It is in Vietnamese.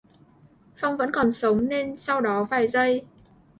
Phong vẫn còn sống nên sau đó vài giây